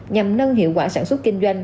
nhằm nâng hiệu quả sản xuất kinh doanh